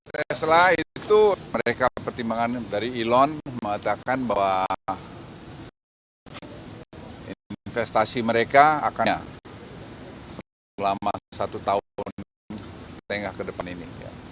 tesla itu mereka pertimbangan dari elon mengatakan bahwa investasi mereka akan selama satu tahun setengah ke depan ini